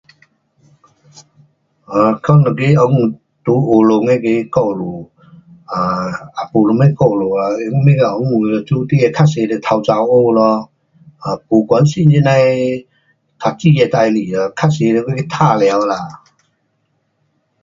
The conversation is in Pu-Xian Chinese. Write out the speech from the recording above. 我华人的故事，较多是交女孩，没读书，没注意。